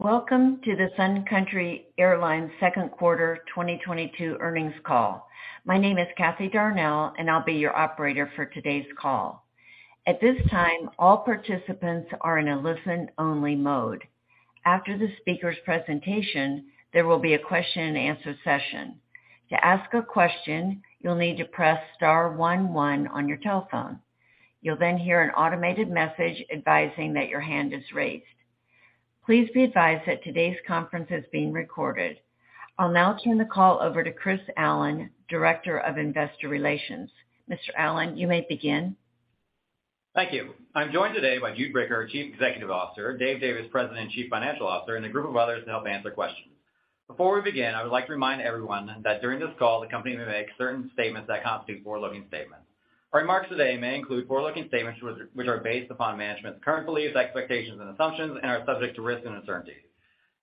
Welcome to the Sun Country Airlines second quarter 2022 earnings call. My name is Kathy Darnell, and I'll be your operator for today's call. At this time, all participants are in a listen-only mode. After the speaker's presentation, there will be a question and answer session. To ask a question, you'll need to press star one one on your telephone. You'll then hear an automated message advising that your hand is raised. Please be advised that today's conference is being recorded. I'll now turn the call over to Chris Allen, Director of Investor Relations. Mr. Allen, you may begin. Thank you. I'm joined today by Jude Bricker, Chief Executive Officer, Dave Davis, President and Chief Financial Officer, and a group of others to help answer questions. Before we begin, I would like to remind everyone that during this call, the company may make certain statements that constitute forward-looking statements. Our remarks today may include forward-looking statements which are based upon management's current beliefs, expectations and assumptions and are subject to risks and uncertainties.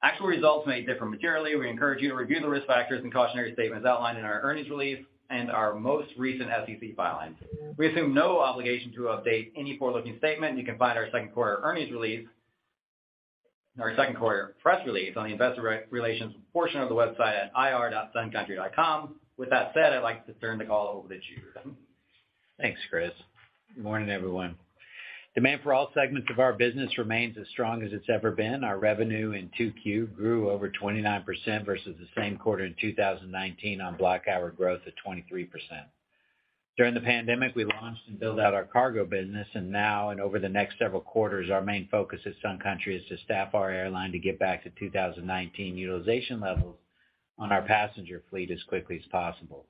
Actual results may differ materially. We encourage you to review the risk factors and cautionary statements outlined in our earnings release and our most recent SEC filings. We assume no obligation to update any forward-looking statement. You can find our second quarter press release on the investor relations portion of the website at ir.suncountry.com. With that said, I'd like to turn the call over to Jude. Thanks, Chris. Good morning, everyone. Demand for all segments of our business remains as strong as it's ever been. Our revenue in 2Q grew over 29% versus the same quarter in 2019 on block hour growth of 23%. During the pandemic, we launched and built out our cargo business. Now and over the next several quarters, our main focus at Sun Country is to staff our airline to get back to 2019 utilization levels on our passenger fleet as quickly as possible.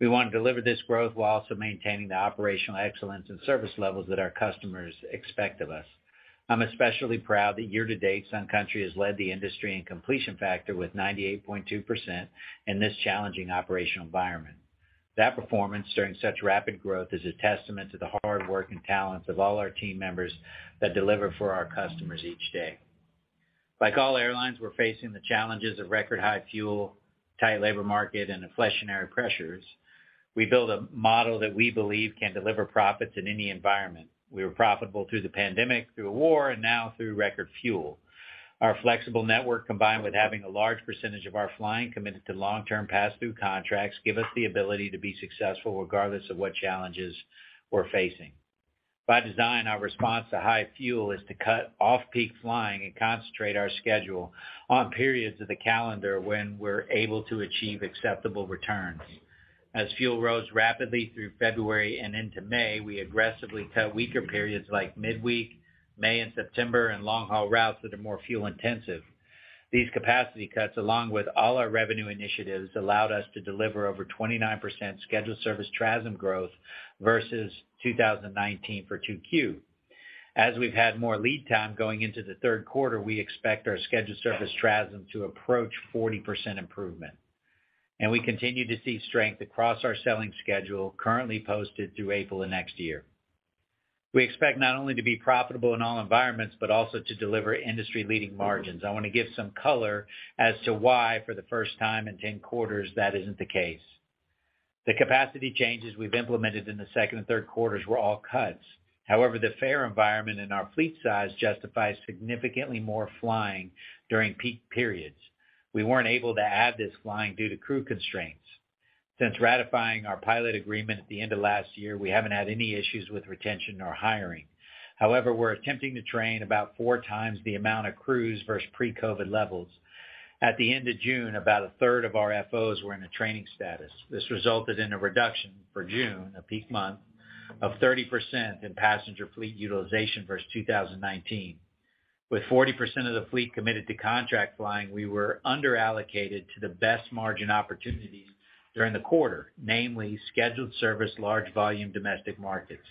We wanna deliver this growth while also maintaining the operational excellence and service levels that our customers expect of us. I'm especially proud that year-to-date, Sun Country has led the industry in completion factor with 98.2% in this challenging operational environment. That performance during such rapid growth is a testament to the hard work and talents of all our team members that deliver for our customers each day. Like all airlines, we're facing the challenges of record-high fuel, tight labor market, and inflationary pressures. We built a model that we believe can deliver profits in any environment. We were profitable through the pandemic, through a war, and now through record fuel. Our flexible network, combined with having a large percentage of our flying committed to long-term pass-through contracts, give us the ability to be successful regardless of what challenges we're facing. By design, our response to high fuel is to cut off-peak flying and concentrate our schedule on periods of the calendar when we're able to achieve acceptable returns. As fuel rose rapidly through February and into May, we aggressively cut weaker periods like midweek, May and September, and long-haul routes that are more fuel intensive. These capacity cuts, along with all our revenue initiatives, allowed us to deliver over 29% scheduled service TRASM growth versus 2019 for 2Q. As we've had more lead time going into the third quarter, we expect our scheduled service TRASM to approach 40% improvement, and we continue to see strength across our selling schedule currently posted through April of next year. We expect not only to be profitable in all environments, but also to deliver industry-leading margins. I wanna give some color as to why, for the first time in 10 quarters, that is the case. The capacity changes we've implemented in the second and third quarters were all cuts. However, the fare environment and our fleet size justifies significantly more flying during peak periods. We weren't able to add this flying due to crew constraints. Since ratifying our pilot agreement at the end of last year, we haven't had any issues with retention or hiring. However, we're attempting to train about 4 times the amount of crews versus pre-COVID levels. At the end of June, about a third of our FOs were in a training status. This resulted in a reduction for June, a peak month, of 30% in passenger fleet utilization versus 2019. With 40% of the fleet committed to contract flying, we were under-allocated to the best margin opportunities during the quarter, namely scheduled service, large volume domestic markets.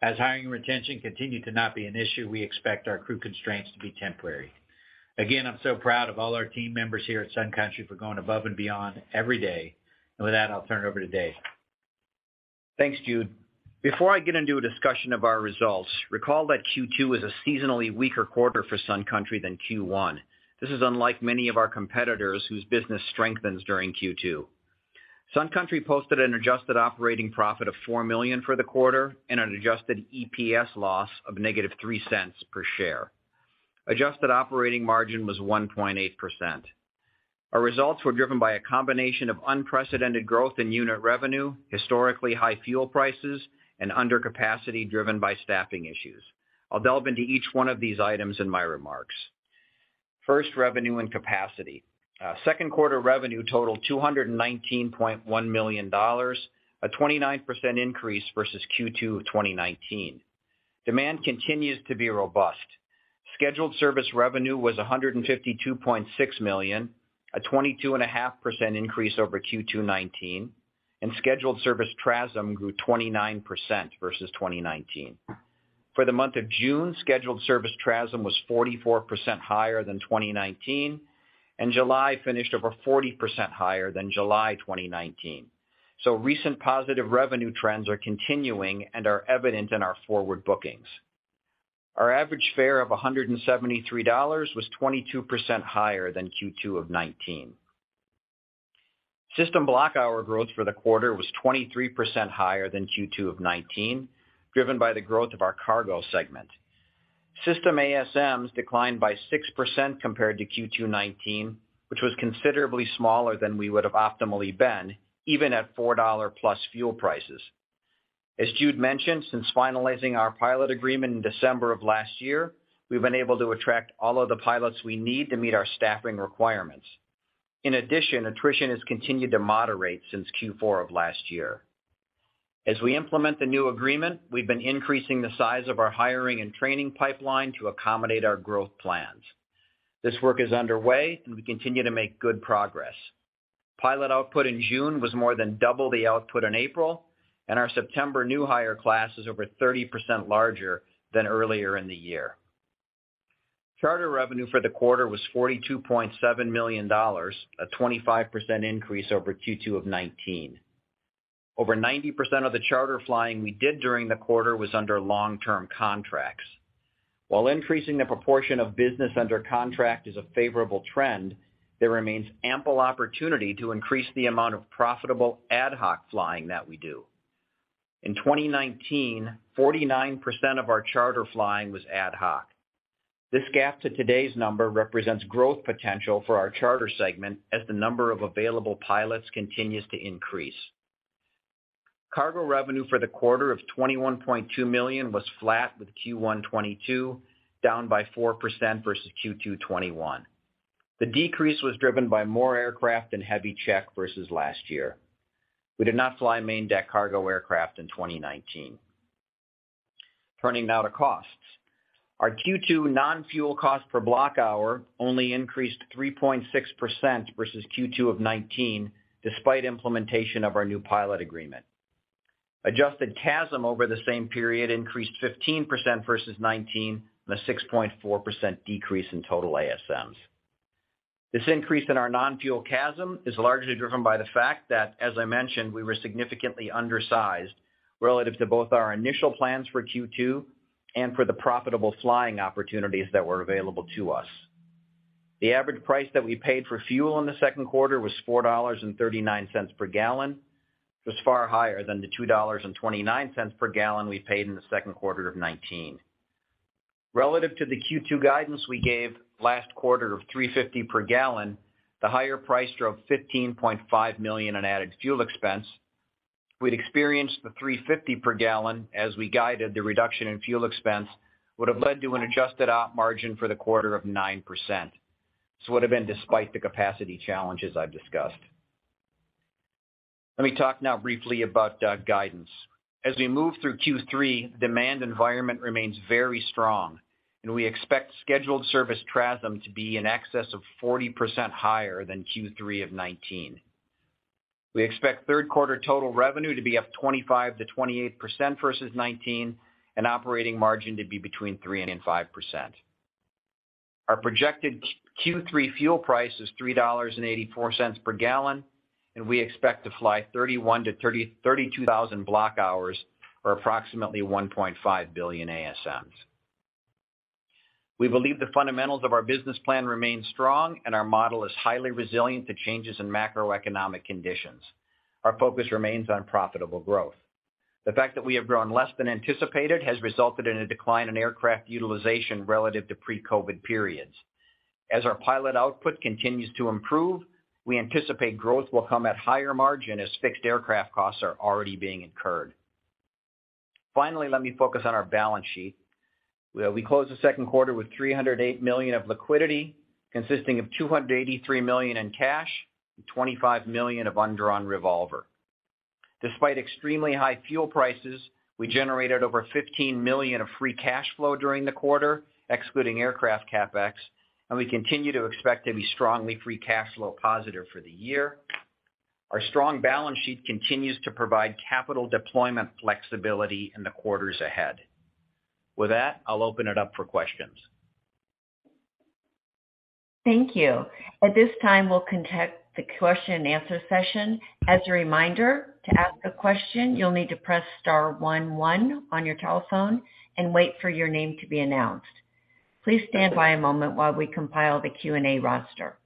As hiring and retention continue to not be an issue, we expect our crew constraints to be temporary. Again, I'm so proud of all our team members here at Sun Country for going above and beyond every day. With that, I'll turn it over to Dave. Thanks, Jude. Before I get into a discussion of our results, recall that Q2 is a seasonally weaker quarter for Sun Country than Q1. This is unlike many of our competitors whose business strengthens during Q2. Sun Country posted an adjusted operating profit of $4 million for the quarter and an adjusted EPS loss of -$0.03 per share. Adjusted operating margin was 1.8%. Our results were driven by a combination of unprecedented growth in unit revenue, historically high fuel prices, and under capacity driven by staffing issues. I'll delve into each one of these items in my remarks. First, revenue and capacity. Second quarter revenue totaled $219.1 million, a 29% increase versus Q2 of 2019. Demand continues to be robust. Scheduled service revenue was $152.6 million, a 22.5% increase over Q2 2019, and scheduled service TRASM grew 29% versus 2019. For the month of June, scheduled service TRASM was 44% higher than 2019, and July finished over 40% higher than July 2019. Recent positive revenue trends are continuing and are evident in our forward bookings. Our average fare of $173 was 22% higher than Q2 2019. System block hour growth for the quarter was 23% higher than Q2 2019, driven by the growth of our cargo segment. System ASMs declined by 6% compared to Q2 2019, which was considerably smaller than we would have optimally been, even at $4+ fuel prices. As Jude mentioned, since finalizing our pilot agreement in December of last year, we've been able to attract all of the pilots we need to meet our staffing requirements. In addition, attrition has continued to moderate since Q4 of last year. As we implement the new agreement, we've been increasing the size of our hiring and training pipeline to accommodate our growth plans. This work is underway, and we continue to make good progress. Pilot output in June was more than double the output in April, and our September new hire class is over 30% larger than earlier in the year. Charter revenue for the quarter was $42.7 million, a 25% increase over Q2 of 2019. Over 90% of the charter flying we did during the quarter was under long-term contracts. While increasing the proportion of business under contract is a favorable trend, there remains ample opportunity to increase the amount of profitable ad hoc flying that we do. In 2019, 49% of our charter flying was ad hoc. This gap to today's number represents growth potential for our charter segment as the number of available pilots continues to increase. Cargo revenue for the quarter of $21.2 million was flat with Q1 2022, down by 4% versus Q2 2021. The decrease was driven by more aircraft and heavy check versus last year. We did not fly main deck cargo aircraft in 2019. Turning now to costs. Our Q2 non-fuel cost per block hour only increased 3.6% versus Q2 of 2019, despite implementation of our new pilot agreement. Adjusted CASM over the same period increased 15% versus 2019, and a 6.4% decrease in total ASMs. This increase in our non-fuel CASM is largely driven by the fact that, as I mentioned, we were significantly undersized relative to both our initial plans for Q2 and for the profitable flying opportunities that were available to us. The average price that we paid for fuel in the second quarter was $4.39 per gallon, which was far higher than the $2.29 per gallon we paid in the second quarter of 2019. Relative to the Q2 guidance we gave last quarter of $3.50 per gallon, the higher price drove $15.5 million in added fuel expense. We'd experienced the $3.50 per gallon as we guided the reduction in fuel expense would have led to an adjusted op margin for the quarter of 9%. This would have been despite the capacity challenges I've discussed. Let me talk now briefly about guidance. As we move through Q3, demand environment remains very strong, and we expect scheduled service TRASM to be in excess of 40% higher than Q3 of 2019. We expect third quarter total revenue to be up 25%-28% versus 2019, and operating margin to be between 3% and 5%. Our projected Q3 fuel price is $3.84 per gallon, and we expect to fly 31,000-32,000 block hours or approximately 1.5 billion ASMs. We believe the fundamentals of our business plan remain strong and our model is highly resilient to changes in macroeconomic conditions. Our focus remains on profitable growth. The fact that we have grown less than anticipated has resulted in a decline in aircraft utilization relative to pre-COVID periods. As our pilot output continues to improve, we anticipate growth will come at higher margin as fixed aircraft costs are already being incurred. Finally, let me focus on our balance sheet. We closed the second quarter with $308 million of liquidity, consisting of $283 million in cash and $25 million of undrawn revolver. Despite extremely high fuel prices, we generated over $15 million of free cash flow during the quarter, excluding aircraft CapEx, and we continue to expect to be strongly free cash flow positive for the year. Our strong balance sheet continues to provide capital deployment flexibility in the quarters ahead. With that, I'll open it up for questions. Thank you. At this time, we'll commence the question and answer session. As a reminder, to ask a question, you'll need to press star one one on your telephone and wait for your name to be announced. Please stand by a moment while we compile the Q&A roster.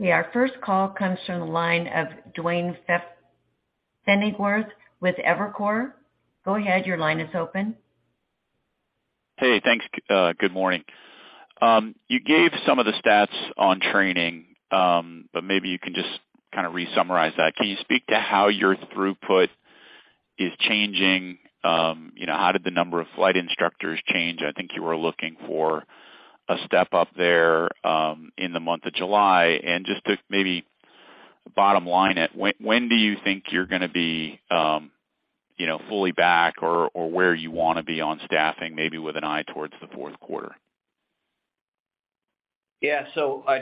Okay, our first call comes from the line of Duane Pfennigwerth with Evercore. Go ahead, your line is open. Hey, thanks. Good morning. You gave some of the stats on training, but maybe you can just kind of re-summarize that. Can you speak to how your throughput is changing? How did the number of flight instructors change? I think you were looking for a step up there in the month of July. Just to maybe bottom line it, when do you think you're gonna be fully back or where you wanna be on staffing, maybe with an eye towards the fourth quarter? Yeah.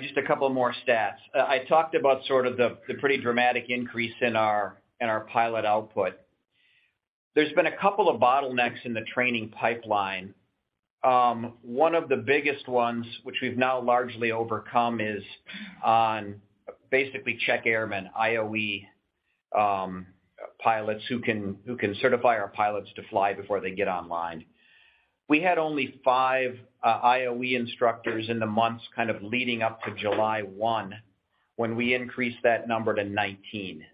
Just a couple more stats. I talked about sort of the pretty dramatic increase in our pilot output. There's been a couple of bottlenecks in the training pipeline. One of the biggest ones, which we've now largely overcome, is on basically check airmen, IOE, pilots who can certify our pilots to fly before they get online. We had only five IOE instructors in the months kind of leading up to July 1, when we increased that number to 19.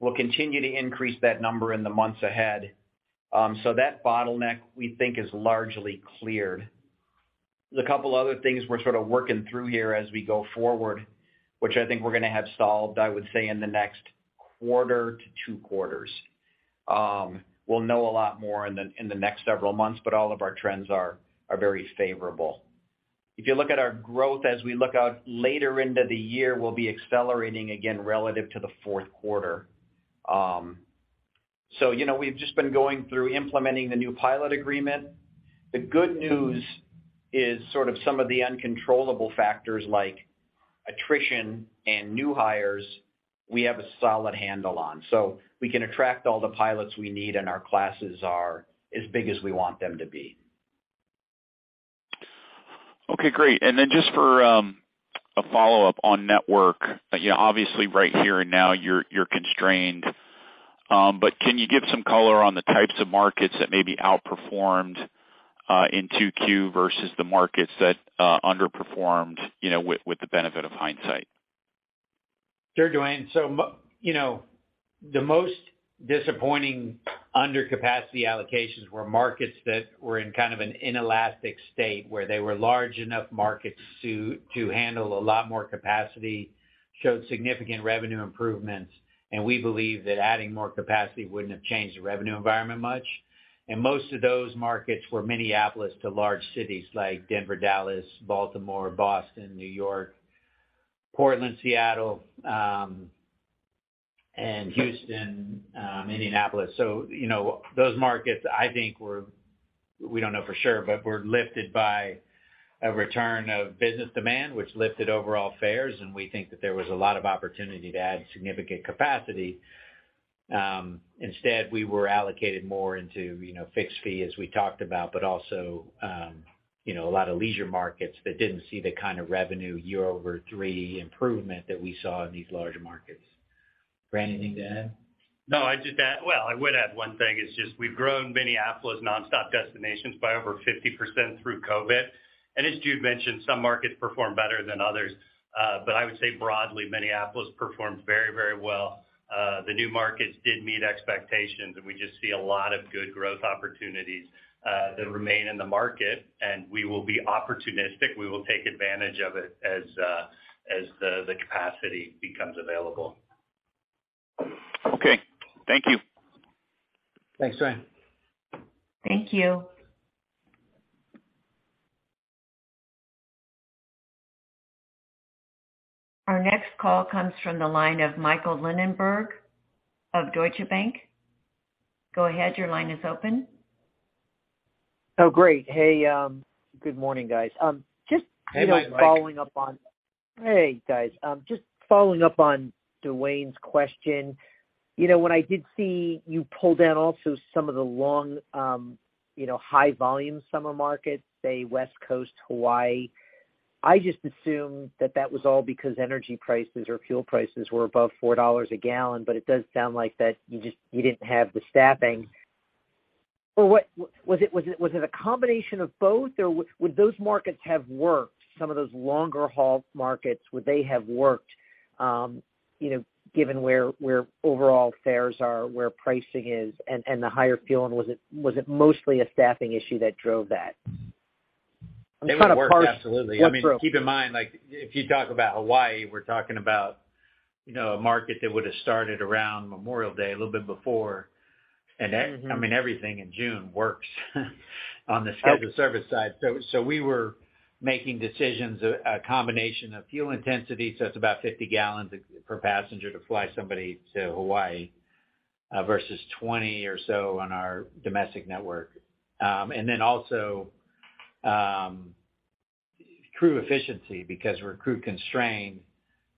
We'll continue to increase that number in the months ahead. That bottleneck, we think, is largely cleared. There's a couple other things we're sort of working through here as we go forward, which I think we're gonna have solved, I would say, in the next quarter to two quarters. We'll know a lot more in the next several months, but all of our trends are very favorable. If you look at our growth as we look out later into the year, we'll be accelerating again relative to the fourth quarter. You know, we've just been going through implementing the new pilot agreement. The good news is sort of some of the uncontrollable factors like attrition and new hires we have a solid handle on. We can attract all the pilots we need, and our classes are as big as we want them to be. Okay, great. Just for a follow-up on network. You know, obviously right here and now you're constrained, but can you give some color on the types of markets that may be outperformed in 2Q versus the markets that underperformed, you know, with the benefit of hindsight? Sure, Duane. You know, the most disappointing undercapacity allocations were markets that were in kind of an inelastic state, where they were large enough markets to handle a lot more capacity, showed significant revenue improvements, and we believe that adding more capacity wouldn't have changed the revenue environment much. Most of those markets were Minneapolis to large cities like Denver, Dallas, Baltimore, Boston, New York, Portland, Seattle, and Houston, Indianapolis. You know, those markets, I think we don't know for sure, but were lifted by a return of business demand, which lifted overall fares, and we think that there was a lot of opportunity to add significant capacity. Instead, we were allocated more into, you know, fixed fee, as we talked about, but also, you know, a lot of leisure markets that didn't see the kind of revenue year-over-year improvement that we saw in these larger markets. Brad, anything to add? I would add one thing is just we've grown Minneapolis nonstop destinations by over 50% through COVID. As Jude mentioned, some markets performed better than others. I would say broadly, Minneapolis performed very, very well. The new markets did meet expectations, and we just see a lot of good growth opportunities that remain in the market, and we will be opportunistic. We will take advantage of it as the capacity becomes available. Okay. Thank you. Thanks, Duane. Thank you. Our next call comes from the line of Michael Linenberg of Deutsche Bank. Go ahead, your line is open. Oh, great. Hey, good morning, guys. Hey, Mike. Hey, guys. Just following up on Duane's question. You know, when I did see you pull down also some of the long, you know, high volume summer markets, say West Coast, Hawaii, I just assumed that that was all because energy prices or fuel prices were above $4 a gallon, but it does sound like that you just didn't have the staffing. Or what was it, was it a combination of both, or would those markets have worked, some of those longer haul markets, would they have worked, you know, given where overall fares are, where pricing is and the higher fuel? And was it mostly a staffing issue that drove that? I'm trying to parse. They would work, absolutely. -through. I mean, keep in mind, like if you talk about Hawaii, we're talking about, you know, a market that would have started around Memorial Day, a little bit before. I mean, everything in June works on the scheduled service side. We were making decisions, a combination of fuel intensity, so it's about 50 gallons per passenger to fly somebody to Hawaii, versus 20 or so on our domestic network. And then also, crew efficiency because we're crew constrained,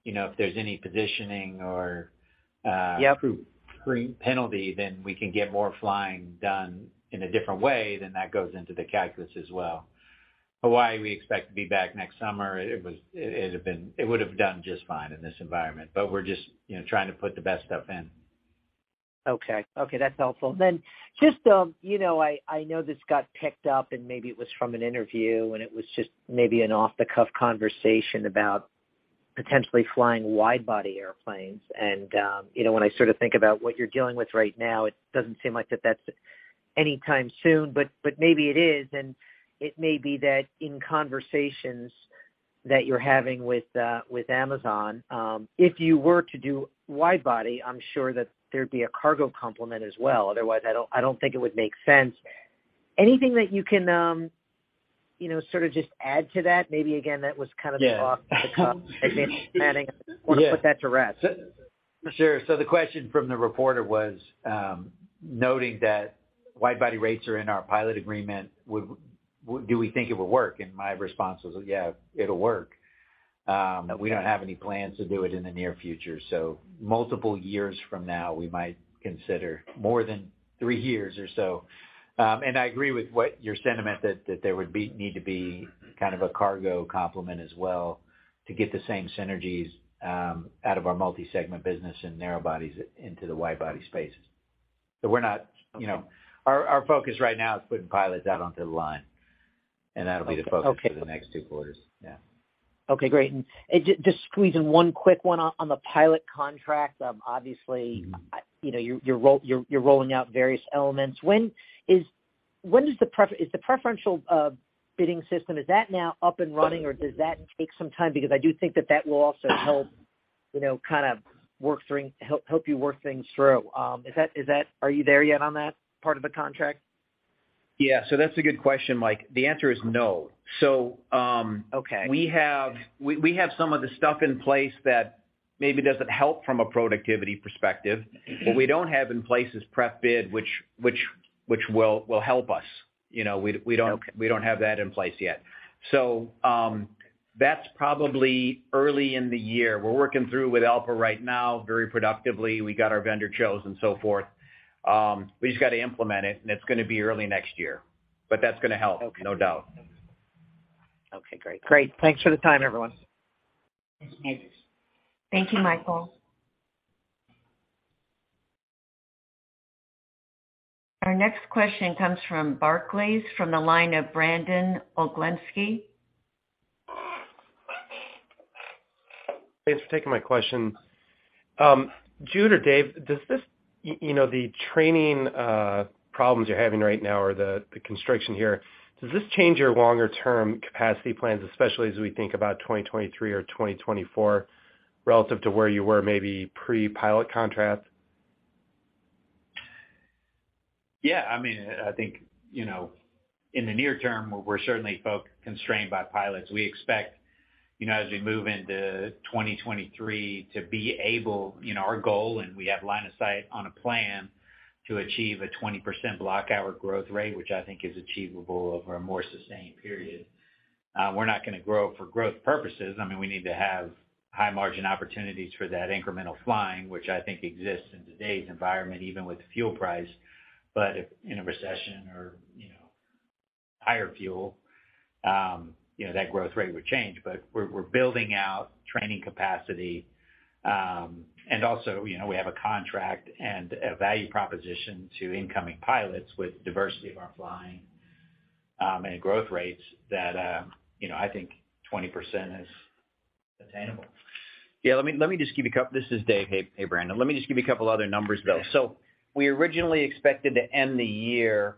you know, if there's any positioning or, Yep. crew penalty, then we can get more flying done in a different way, then that goes into the calculus as well. Hawaii, we expect to be back next summer. It would have done just fine in this environment, but we're just, you know, trying to put the best stuff in. Okay, that's helpful. Just, you know, I know this got picked up and maybe it was from an interview, and it was just maybe an off-the-cuff conversation about potentially flying wide-body airplanes. You know, when I sort of think about what you're dealing with right now, it doesn't seem like that's anytime soon, but maybe it is, and it may be that in conversations that you're having with Amazon, if you were to do wide-body, I'm sure that there'd be a cargo complement as well. Otherwise, I don't think it would make sense. Anything that you can, you know, sort of just add to that? Maybe again, that was kind of. Yeah. an off-the-cuff advanced planning. Yeah. Want to put that to rest. Sure. The question from the reporter was, noting that wide-body rates are in our pilot agreement, do we think it would work? My response was, "Yeah, it'll work." We don't have any plans to do it in the near future. Multiple years from now, we might consider more than three years or so. I agree with your sentiment that there would need to be kind of a cargo complement as well to get the same synergies out of our multi-segment business and narrow bodies into the wide-body spaces. We're not, you know, our focus right now is putting pilots out onto the line, and that'll be the focus for the next two quarters. Yeah. Okay, great. Just squeeze in one quick one on the pilot contract. Obviously you know, you're rolling out various elements. Is the Preferential Bidding System now up and running, or does that take some time? Because I do think that that will also help, you know, help you work things through. Are you there yet on that part of the contract? Yeah. That's a good question, Mike. The answer is no. Okay We have some of the stuff in place that maybe doesn't help from a productivity perspective. What we don't have in place is Pref Bid, which will help us. You know, we don't- Okay We don't have that in place yet. That's probably early in the year. We're working through with ALPA right now very productively. We got our vendor chosen and so forth. We just got to implement it, and it's gonna be early next year. That's gonna help. Okay No doubt. Okay, great. Great. Thanks for the time, everyone. Thanks, Mike. Thank you, Michael. Our next question comes from Barclays, from the line of Brandon Oglenski. Thanks for taking my question. Jude or Dave, does this you know the training problems you're having right now or the construction here, does this change your longer term capacity plans, especially as we think about 2023 or 2024 relative to where you were maybe pre-pilot contract? Yeah. I mean, I think, you know, in the near term, we're certainly constrained by pilots. We expect, you know, as we move into 2023 to be able, you know, our goal, and we have line of sight on a plan to achieve a 20% block hour growth rate, which I think is achievable over a more sustained period. We're not gonna grow for growth purposes. I mean, we need to have high margin opportunities for that incremental flying, which I think exists in today's environment, even with fuel price. If in a recession or, you know, higher fuel, you know, that growth rate would change. We're building out training capacity, and also, you know, we have a contract and a value proposition to incoming pilots with diversity of our flying, and growth rates that, you know, I think 20% is attainable. Yeah. This is Dave. Hey, Brandon. Let me just give you a couple other numbers, though. We originally expected to end the year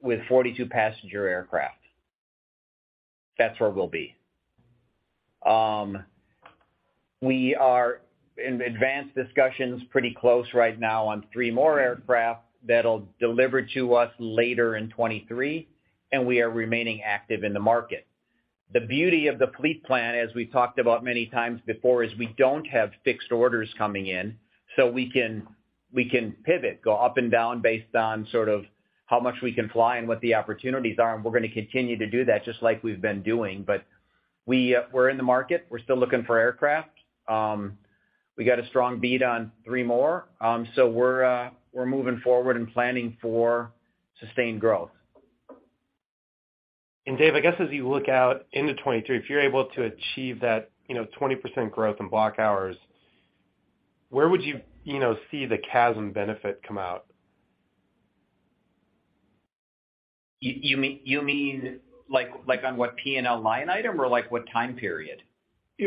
with 42 passenger aircraft. That's where we'll be. We are in advanced discussions pretty close right now on three more aircraft that'll deliver to us later in 2023, and we are remaining active in the market. The beauty of the fleet plan, as we've talked about many times before, is we don't have fixed orders coming in, so we can pivot, go up and down based on sort of how much we can fly and what the opportunities are, and we're gonna continue to do that just like we've been doing. We're in the market. We're still looking for aircraft. We got a strong bet on three more. We're moving forward and planning for sustained growth. Dave, I guess as you look out into 2023, if you're able to achieve that, you know, 20% growth in block hours, where would you know, see the CASM benefit come out? You mean like on what P&L line item or like what time period?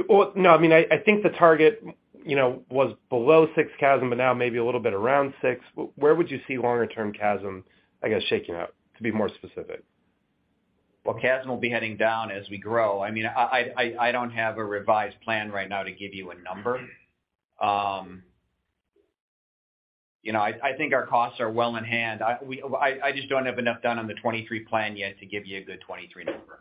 Well, no. I mean, I think the target, you know, was below six CASM, but now maybe a little bit around six. Where would you see longer term CASM, I guess, shaking out, to be more specific? Well, CASM will be heading down as we grow. I mean, I don't have a revised plan right now to give you a number. You know, I think our costs are well in hand. I just don't have enough done on the 2023 plan yet to give you a good 2023 number.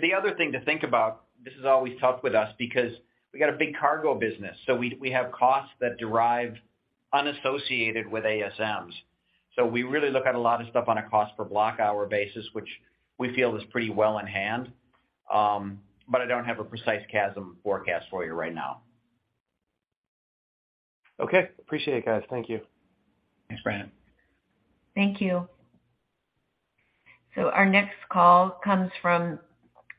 The other thing to think about, this is always tough with us because we got a big cargo business, so we have costs that are unassociated with ASMs. So we really look at a lot of stuff on a cost per block hour basis, which we feel is pretty well in hand. But I don't have a precise CASM forecast for you right now. Okay. Appreciate it, guys. Thank you. Thanks, Brandon. Thank you. Our next call comes from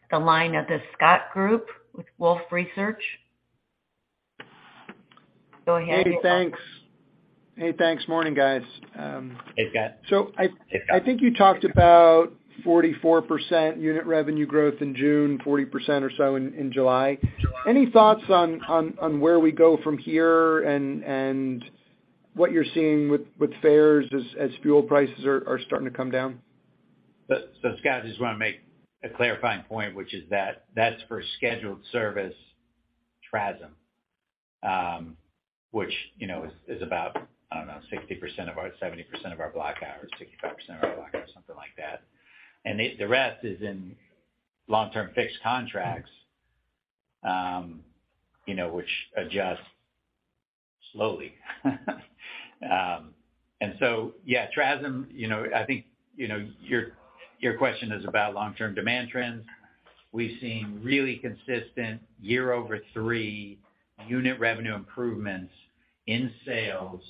the line of Scott Group with Wolfe Research. Go ahead. Hey, thanks. Morning, guys. Hey, Scott. So I- Hey, Scott. I think you talked about 44% unit revenue growth in June, 40% or so in July. Any thoughts on where we go from here and what you're seeing with fares as fuel prices are starting to come down? Scott, I just wanna make a clarifying point, which is that that's for scheduled service TRASM, which, you know, is about, I don't know, 60%-70% of our block hours, 65% of our block hours, something like that. The rest is in long-term fixed contracts, you know, which adjust slowly. TRASM, you know, I think, you know, your question is about long-term demand trends. We've seen really consistent year-over-year unit revenue improvements in sales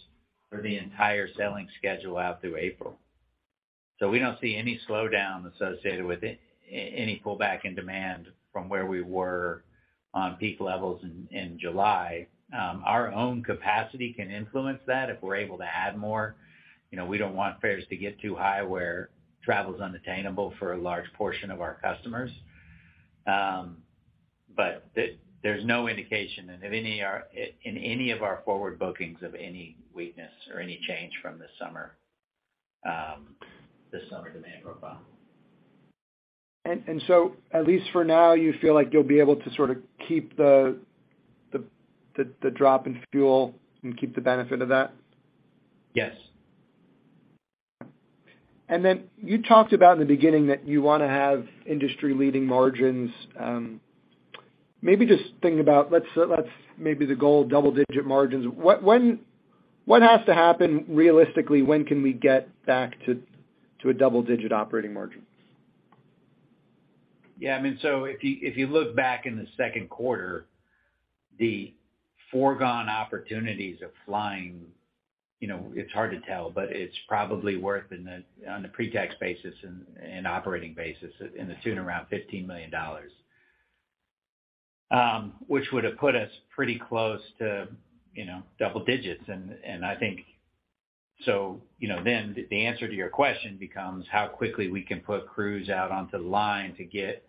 for the entire selling schedule out through April. We don't see any slowdown associated with any pullback in demand from where we were on peak levels in July. Our own capacity can influence that if we're able to add more. You know, we don't want fares to get too high where travel is unattainable for a large portion of our customers. There's no indication in any of our forward bookings of any weakness or any change from the summer demand profile. At least for now, you feel like you'll be able to sort of keep the drop in fuel and keep the benefit of that? Yes. Then you talked about in the beginning that you wanna have industry-leading margins. Maybe just think about the goal double-digit margins. What has to happen realistically? When can we get back to a double-digit operating margin? I mean, if you look back in the second quarter, the foregone opportunities of flying, you know, it's hard to tell, but it's probably worth, on the pre-tax basis and operating basis, in the tune of around $15 million. Which would have put us pretty close to, you know, double digits. I think, you know, then the answer to your question becomes how quickly we can put crews out onto the line to get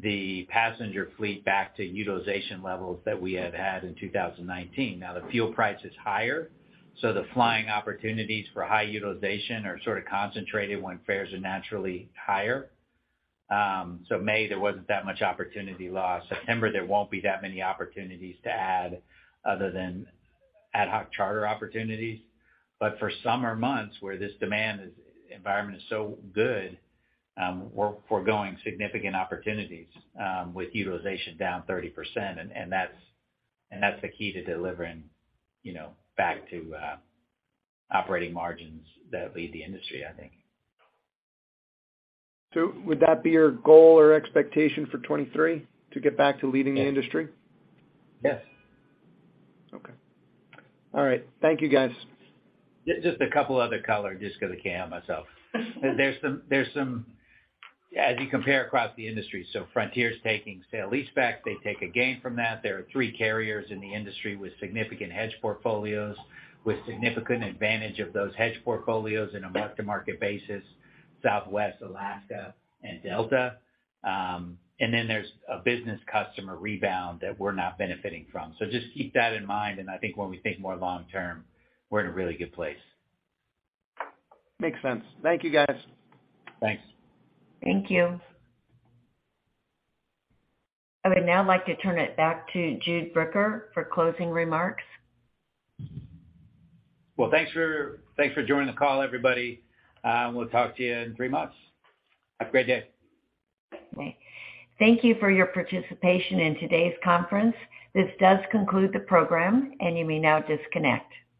the passenger fleet back to utilization levels that we have had in 2019. Now, the fuel price is higher, so the flying opportunities for high utilization are sort of concentrated when fares are naturally higher. May, there wasn't that much opportunity lost. September, there won't be that many opportunities to add other than ad hoc charter opportunities. For summer months where this demand environment is so good, we're foregoing significant opportunities with utilization down 30%. That's the key to delivering, you know, back to operating margins that lead the industry, I think. Would that be your goal or expectation for 2023, to get back to leading the industry? Yes. Okay. All right. Thank you guys. Just a couple other color just 'cause I can't help myself. As you compare across the industry, Frontier's taking sale-leaseback, they take a gain from that. There are three carriers in the industry with significant hedge portfolios with significant advantage of those hedge portfolios on a mark-to-market basis, Southwest, Alaska, and Delta. And then there's a business customer rebound that we're not benefiting from. Just keep that in mind, and I think when we think more long-term, we're in a really good place. Makes sense. Thank you, guys. Thanks. Thank you. I would now like to turn it back to Jude Bricker for closing remarks. Well, thanks for joining the call, everybody. We'll talk to you in three months. Have a great day. Okay. Thank you for your participation in today's conference. This does conclude the program, and you may now disconnect.